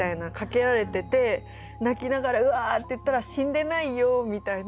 泣きながらうわーっていったら「死んでないよ」みたいな。